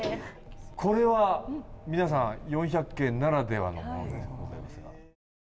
これは皆さん４００系ならではのものでございますが。